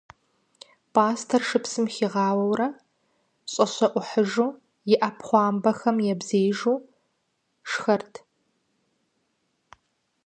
Пӏастэр шыпсым хигъауэурэ, щӏэщэӏухьыжу, и ӏэпхъуамбэхэм ебзеижу шхэрт.